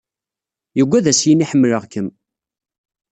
Yuggad ad as-yini ḥemleɣ-kem.